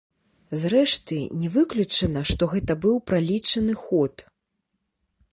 Зрэшты, не выключана, што гэта быў пралічаны ход.